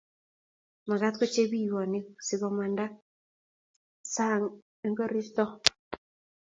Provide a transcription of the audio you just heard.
makat ko chepiywonsikomanda sang eng koristo